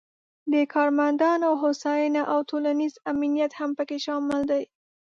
د کارمندانو هوساینه او ټولنیز امنیت هم پکې شامل دي.